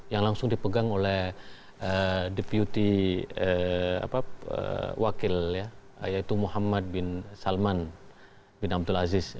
yang langsung dipegang oleh deputi wakil yaitu muhammad bin salman bin abdul aziz